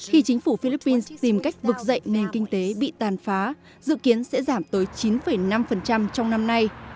khi chính phủ philippines tìm cách vực dậy nền kinh tế bị tàn phá dự kiến sẽ giảm tới chín năm trong năm nay